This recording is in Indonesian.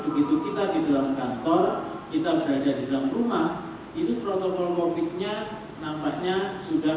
begitu kita di dalam kantor kita berada di dalam rumah itu protokol covid nya nampaknya sudah